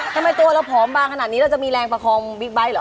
ทำไมตัวเราผอมบางขนาดนี้เราจะมีแรงประคองบิ๊กไบท์เหรอ